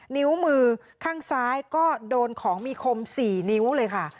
นิ้วมือข้างซ้ายก็โดนของมีคม๔นิ้วเลยค่ะ